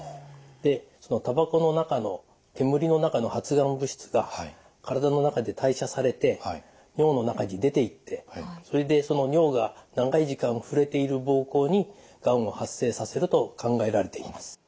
そのたばこの中の煙の中の発がん物質が体の中で代謝されて尿の中に出ていってそれでその尿が長い時間触れている膀胱にがんを発生させると考えられています。